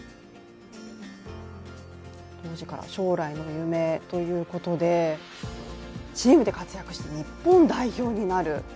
当時から将来の夢ということで、チームで活躍して日本代表になる。